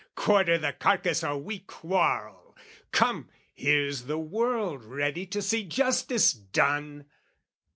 "Quarter the carcass or we quarrel; come, "Here's the world ready to see justice done!"